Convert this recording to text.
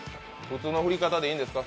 普通の降り方でいいんですか？